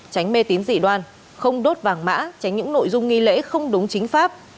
tránh mê tín dị đoan không đốt vàng mã tránh những nội dung nghi lễ không đúng chính pháp